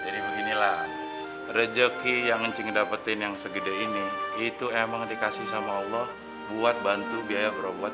beginilah rezeki yang encing dapetin yang segede ini itu emang dikasih sama allah buat bantu biaya berobat